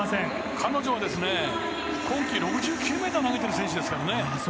彼女は今季６９ｍ投げている選手ですからね。